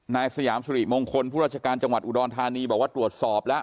นายสยามสุริมงคลผู้ราชการจังหวัดอุดรธานีบอกว่าตรวจสอบแล้ว